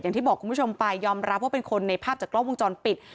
อย่างที่บอกคุณผู้ชมไปยอมรับว่าเป็นคนในภาพจากกล้องวงจรปิด